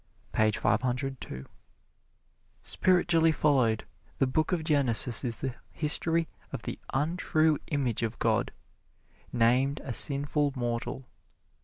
Page five hundred two: "Spiritually followed, the book of Genesis is the history of the untrue image of God, named a sinful mortal.